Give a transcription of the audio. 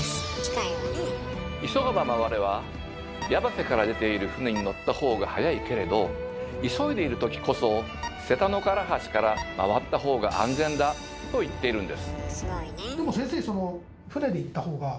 「急がば回れ」は矢橋から出ている船に乗った方が早いけれど急いでいる時こそ瀬田の唐橋から回った方が安全だと言っているんです。